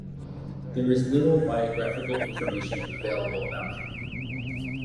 There is little biographical information available about him.